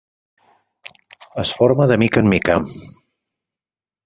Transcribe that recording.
Es forma de mica en mica.